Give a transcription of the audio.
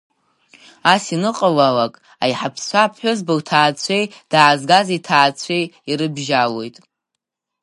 Ас ианыҟалалак, аиҳабацәа аԥҳәызба лҭаацәеи даазгаз иҭаацәеи ирыбжьалоит.